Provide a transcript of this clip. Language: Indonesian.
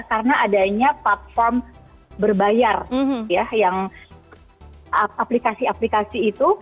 karena adanya platform berbayar ya yang aplikasi aplikasi itu